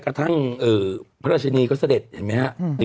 กระทั่งพระราชนีก็เสด็จเห็นมั้ยฮะ